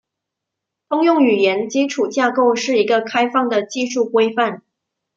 通用语言基础架构是一个开放的技术规范。